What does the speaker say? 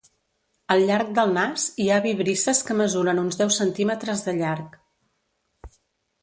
Al llarg del nas hi ha vibrisses que mesuren uns deu centímetres de llarg.